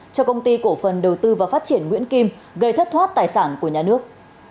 cho công ty cổ phần đầu tư và phát triển nguyễn kim gây thất thoát tài sản của nhà nước